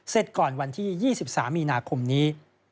เสร็จก่อนวันที่๒๓มีนาคมนี้